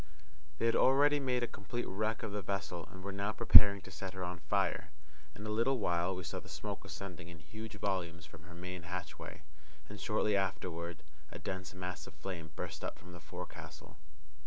They had already made a complete wreck of the vessel, and were now preparing to set her on fire. In a little while we saw the smoke ascending in huge volumes from her main hatchway, and, shortly afterward, a dense mass of flame burst up from the forecastle.